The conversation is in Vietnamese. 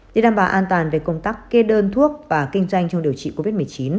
để đảm bảo an toàn về công tác kê đơn thuốc và kinh doanh trong điều trị covid một mươi chín